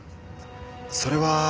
それは。